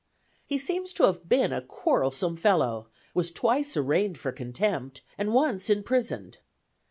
He seems to have been a quarrelsome fellow, was twice arraigned for contempt, and once imprisoned.